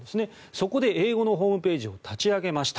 そこで、英語のホームページを立ち上げました。